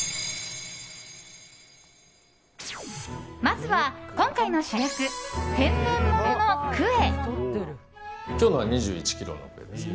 まずは今回の主役天然物のクエ。